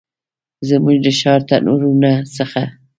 زموږ د ښار د تنورونو څخه